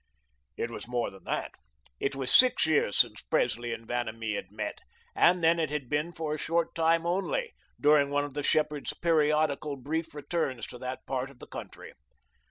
It was more than that. It was six years since Presley and Vanamee had met, and then it had been for a short time only, during one of the shepherd's periodical brief returns to that part of the country.